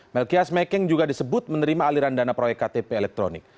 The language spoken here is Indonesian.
melkias mekeng juga disebut menerima aliran dana proyek ktp elektronik